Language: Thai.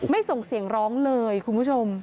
ส่งเสียงร้องเลยคุณผู้ชม